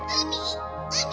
うみ？